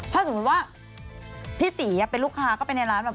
ถ้าสมมุติว่าพี่ตีเป็นลูกค้าเข้าไปในร้านแบบ